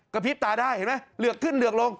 พริบตาได้เห็นไหมเหลือกขึ้นเหลือกลง